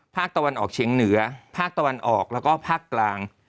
ภาคตะวันออกเฉียงเหนือภาคตะวันออกแล้วก็ภาคกลาง